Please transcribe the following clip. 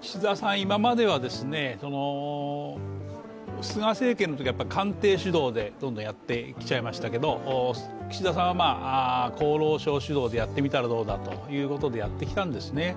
岸田さん、今までは菅政権の時は官邸主導でどんどんやってきちゃいましたけど、岸田さんは厚労省主導でやってみたらどうだということでやってみたんですね。